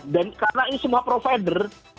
dan karena ini semua provider